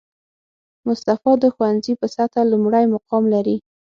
مصطفی د ښوونځي په سطحه لومړی مقام لري